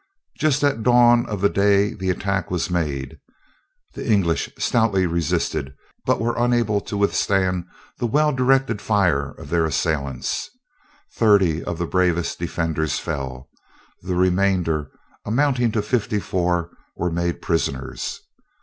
Just at dawn of day the attack was made. The English stoutly resisted, but were unable to withstand the well directed fire of their assailants. Thirty of the bravest defenders fell. The remainder, amounting to fifty four, were made prisoners.